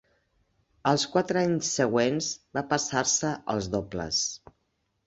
Els quatre anys següents va passar-se als dobles.